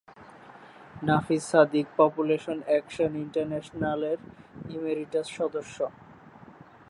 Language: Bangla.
নাফিস সাদিক পপুলেশন অ্যাকশন ইন্টারন্যাশনালের ইমেরিটাস সদস্য।